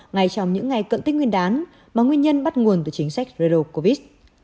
ngay trong những ngày cận tích nguyên đán mà nguyên nhân bắt nguồn từ chính sách zero covid